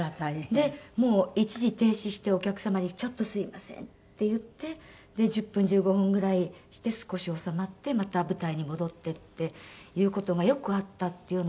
でもう一時停止してお客様に「ちょっとすみません」って言って１０分１５分ぐらいして少し治まってまた舞台に戻ってっていう事がよくあったっていうのを。